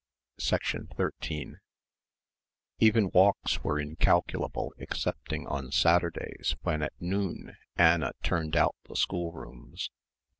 13 Even walks were incalculable excepting on Saturdays, when at noon Anna turned out the schoolrooms.